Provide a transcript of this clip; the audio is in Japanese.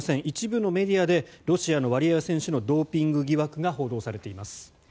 一部のメディアでロシアのワリエワ選手のドーピング疑惑が報道されています。